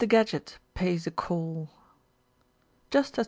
GADGETT PAYS A CALL JUST as P.